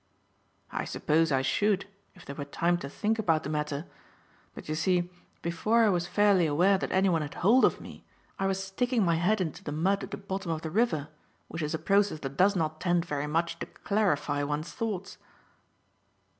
"I suppose I should if there were time to think about the matter; but, you see, before I was fairly aware that anyone had hold of me, I was sticking my head into the mud at the bottom of the river, which is a process that does not tend very much to clarify one's thoughts."